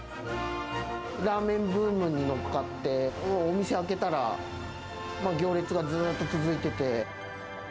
ラーメンブームに乗っかって、お店開けたら、行列がずっと続いてて。